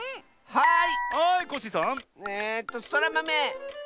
はい！